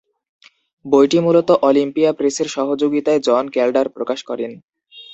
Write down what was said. বইটি মূলত অলিম্পিয়া প্রেসের সহযোগিতায় জন ক্যালডার প্রকাশ করেন।